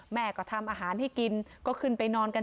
แม่ก็ทำอาหารให้กินก็ขึ้นไปนอนกัน